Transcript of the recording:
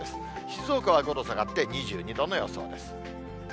静岡は５度下がって２２度の予想です。